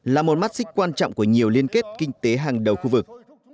là một mắt xích quan trọng của nhiều liên kết kinh tế hàng đầu khu vực